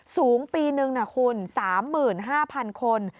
สูงปี๑๓๑๕๐๐๐คน